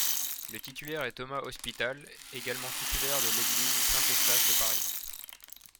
Le titulaire est Thomas Ospital, également titulaire de l'église Saint Eustache de Paris.